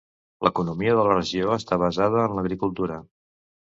L'economia de la regió està basada en l'agricultura.